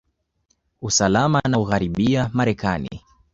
usalama na ugharibiya marekani